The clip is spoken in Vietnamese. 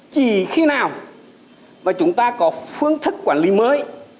chỉ khi nào và chúng ta có phương thức quản lý mới